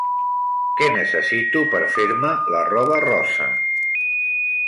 Què necessito per fer-me la roba rosa?